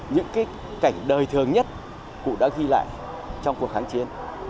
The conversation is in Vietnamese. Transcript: những cái cảnh đời thường nhất cụ đã ghi lại trong cuộc kháng chiến